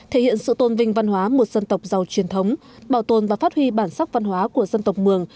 thể hiện sự tôn vinh văn hóa một dân tộc giàu truyền thống bảo tồn và phát huy bản sắc văn hóa của dân tộc mường